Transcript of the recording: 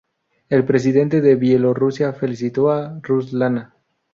El presidente de Bielorrusia felicitó a Ruslana.